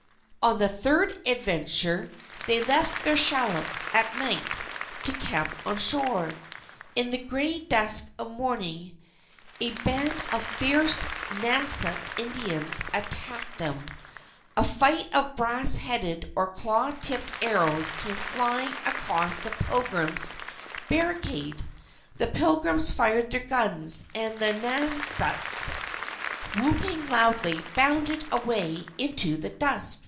On the third adventure, they left their shallop, at night, to camp on shore. In the gray dusk of morning, a band of fierce Nauset Indians attacked them. A flight of brass headed or claw tipped arrows came flying across the Pilgrims' barricade. The Pilgrims fired their guns, and the Nausets, whooping loudly, bounded away into the dusk.